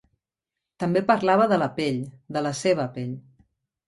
També parlava de la pell, de la seva pell.